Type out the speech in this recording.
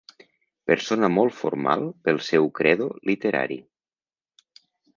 Persona molt formal pel seu credo literari